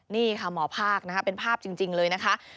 นี่ค่ะหมอภาคนะคะเป็นภาพจริงเลยนะคะ